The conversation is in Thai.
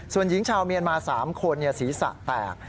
ส่วนหญิงชาวเมียนมา๓คนศีรษะแตก